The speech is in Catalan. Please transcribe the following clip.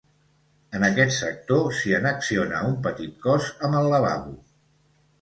En aquest sector s'hi annexiona un petit cos amb el lavabo.